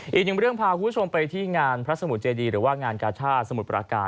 อีกหนึ่งเรื่องพาคุณผู้ชมไปที่งานพระสมุทรเจดีหรือว่างานกาชาติสมุทรปราการ